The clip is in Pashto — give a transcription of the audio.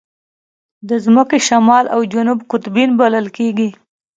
د ځمکې شمال او جنوب قطبین بلل کېږي.